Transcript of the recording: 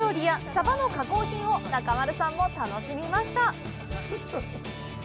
各地のサバ料理やサバの加工品を中丸さんも楽しみました！